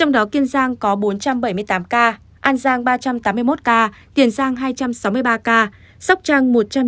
trong đó kiên giang có bốn trăm bảy mươi tám ca an giang ba trăm tám mươi một ca tiền giang hai trăm sáu mươi ba ca sóc trang một trăm chín mươi tám ca